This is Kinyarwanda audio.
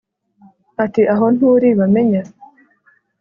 ati “Aho nturi bamenya?